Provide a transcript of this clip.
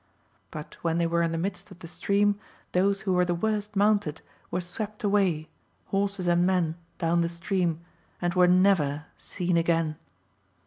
But when they were in the midst of the stream, those who were the worst mounted were swept away, horses and men, down the stream, and were never seen again.